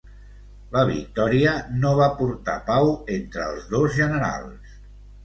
La victòria no va portar pau entre els dos generals.